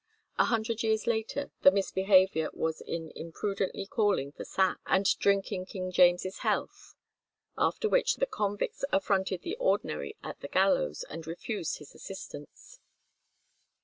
A hundred years later the misbehaviour was in "impudently calling for sack" and drinking King James's health; after which the convicts affronted the ordinary at the gallows, and refused his assistance.